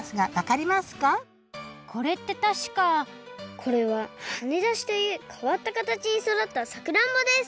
これってたしかこれは「はねだし」というかわったかたちにそだったさくらんぼです